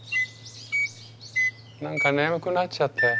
何か眠くなっちゃったよ。